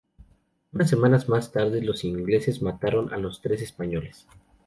Unas semanas más tarde, los dos ingleses mataron a los tres españoles.